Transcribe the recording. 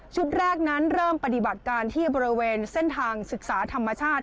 แรกนั้นเริ่มปฏิบัติการที่บริเวณเส้นทางศึกษาธรรมชาติ